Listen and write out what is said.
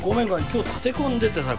今日立て込んでてさ